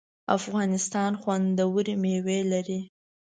افغانستان خوندوری میوی لري